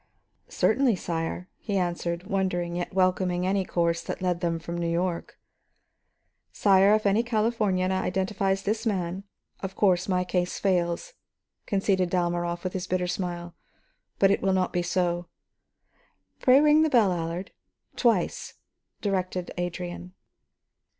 "Certainly, sire," he answered, wondering, yet welcoming any course that led them from New York. "Sire, if any Californian identifies this man, of course my case fails," conceded Dalmorov with his bitter smile. "But, it will not be so." "Pray ring the bell, Allard, twice," directed Adrian.